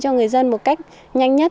cho người dân một cách nhanh nhất